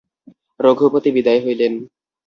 রঘুপতি বিদায় হইলেন।